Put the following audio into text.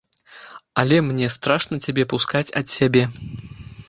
Але мне страшна цябе пускаць ад сябе.